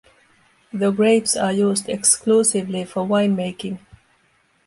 The grapes are used exclusively for wine-making.